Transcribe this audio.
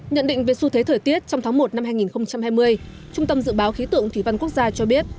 nhận định về xu thế thời tiết trong tháng một năm hai nghìn hai mươi trung tâm dự báo khí tượng thủy văn quốc gia cho biết